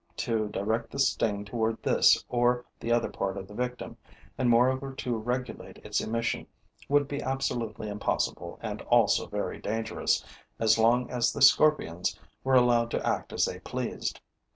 To direct the sting toward this or the other part of the victim and moreover to regulate its emission would be absolutely impossible and also very dangerous, as long as the scorpions were allowed to act as they pleased.